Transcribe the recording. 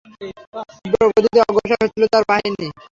তীব্রগতিতে অগ্রসর হচ্ছিল তার বাহিনী।